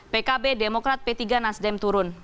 pkb demokrat p tiga nasdem turun